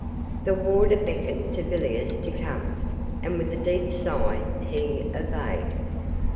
The warder beckoned to Villiers to come, and, with a deep sigh, he obeyed.